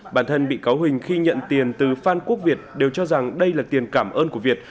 bản thân bị cáo huỳnh khi nhận tiền từ phan quốc việt đều cho rằng đây là tiền cảm ơn của việt